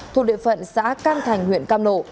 thuộc địa phận xã can thành huyện cam lộ